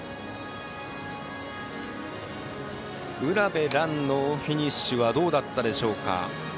卜部蘭のフィニッシュはどうだったでしょうか。